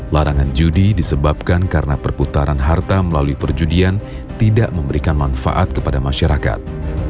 larangan judi disebabkan karena perputaran harta melalui perjudian tidak memberikan manfaat kepada masyarakat